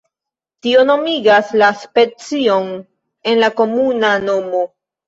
Tio nomigas la specion en la komuna nomo.